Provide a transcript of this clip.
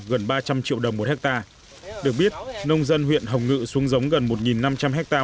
gần ba trăm linh triệu đồng một hectare được biết nông dân huyện hồng ngự xuống giống gần một năm trăm linh ha